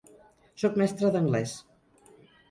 Soc mestre d'anglès.